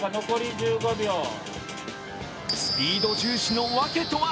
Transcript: スピード重視の訳とは？